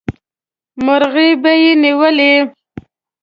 مرغۍ به یې نیولې.